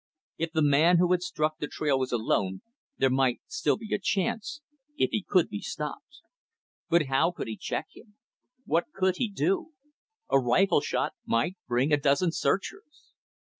If the man who had struck the trail was alone, there might still be a chance if he could be stopped. But how could he check him? What could he do? A rifle shot might bring a dozen searchers.